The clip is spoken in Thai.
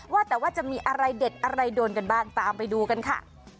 ว่าแต่ว่าจะมีอะไรเด็ดอะไรโดนกันบ้างตามไปดูกันค่ะ